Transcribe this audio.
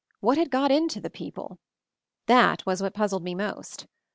What had got into the people? That was what puzzled me most.